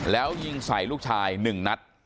แล้วยิงใส่ลูกชาย๑นัด